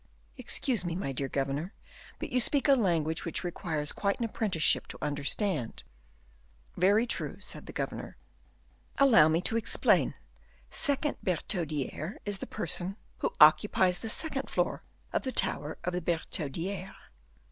"Excuse me, my dear governor; but you speak a language which requires quite an apprenticeship to understand." "Very true," said the governor. "Allow me to explain: second Bertaudiere is the person who occupies the second floor of the tower of the Bertaudiere."